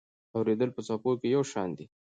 اورېدل په څپو کې یو شان دي.